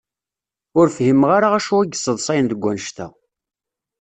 Ur fhimeɣ ara acu i yesseḍsayen deg wanect-a.